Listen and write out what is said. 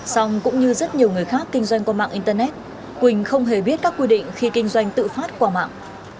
xong cũng như rất nhiều người khác kinh doanh qua mạng internet quỳnh không hề biết các quy định khi kinh doanh tự phát qua mạng